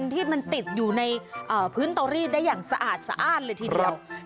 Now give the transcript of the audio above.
ที่มันติดอยู่ในพื้นเตารีดได้อย่างสะอาดสะอ้านเลยทีเดียว